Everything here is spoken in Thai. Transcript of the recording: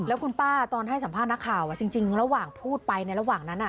แล้วคุณป้าตอนให้สัมภาษณ์นักข่าวจริงระหว่างพูดไปในระหว่างนั้น